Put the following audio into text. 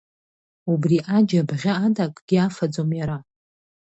Убри аџь абӷьы ада акгьы афаӡом иара.